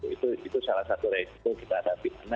itu salah satu resiko kita hadapi